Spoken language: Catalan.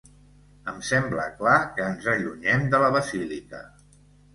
Em sembla clar que ens allunyem de la basílica.